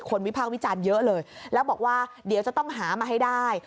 วิภาควิจารณ์เยอะเลยแล้วบอกว่าเดี๋ยวจะต้องหามาให้ได้